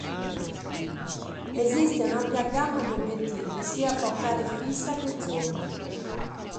Esiste un'ampia gamma di obiettivi, sia a focale fissa che zoom.